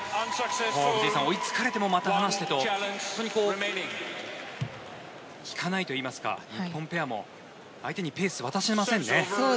藤井さん、追いつかれてもまた離してと引かないといいますか日本ペアも相手にペースを渡しませんね。